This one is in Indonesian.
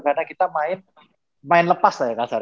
karena kita main lepas lah ya